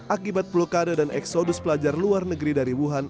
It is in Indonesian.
akibat blokade dan eksodus pelajar luar negeri dari wuhan